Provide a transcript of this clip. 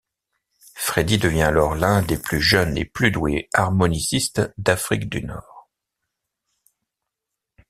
Freddy devient alors l’un des plus jeunes et plus doués harmonicistes d’Afrique du Nord.